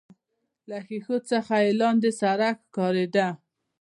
له ښيښو څخه يې لاندې سړک ښکارېده.